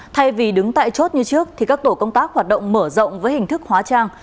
thay vì đứng tại chốt như trước thì các tổ công tác hoạt động mở rộng với hình thức hóa trang